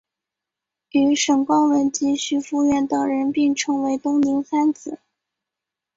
与沈光文及徐孚远等人并称东宁三子。